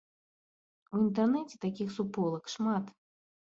У інтэрнэце такіх суполак шмат.